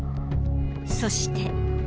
そして。